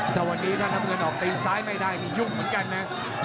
ถ้าวันนี้ถ้าน้ำเงินออกตีนซ้ายไม่ได้นี่ยุ่งเหมือนกันนะ